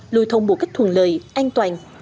lùi thông một cách thuần lợi an toàn